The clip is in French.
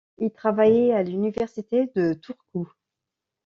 Il travaillait à l'université de Turku.